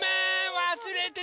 わすれてた。